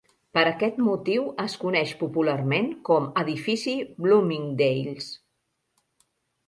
Per aquest motiu, es coneix popularment com "Edifici Bloomingdale's".